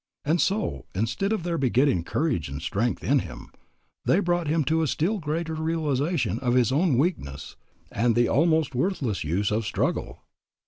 And so instead of their begetting courage and strength in him, they brought him to a still greater realization of his own weakness and the almost worthless use of struggle.